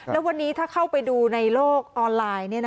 แล้ววันนี้ถ้าเข้าไปดูในโลกออนไลน์